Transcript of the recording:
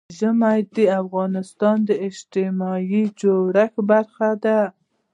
ژمی د افغانستان د اجتماعي جوړښت برخه ده.